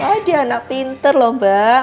ada anak pinter lho mbak